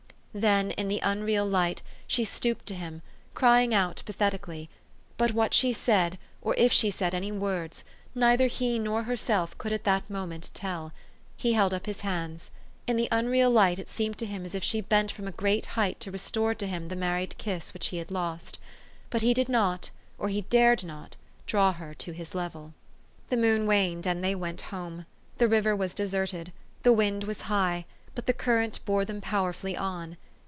Then in the unreal light she stooped to him, crying out pathetically ; but what she said, or if she said any 422 THE STORY OF AVIS. words, neither lie nor herself could at that moment tell. He held up his hands. In the unreal light it seemed to him as if she bent from a great height to restore to him the married kiss which he had lost. But he did not, or he dared not, draw her to his level. The moon waned, and they went home. The river was deserted. The wind was high ; but the current bore them powerfully on.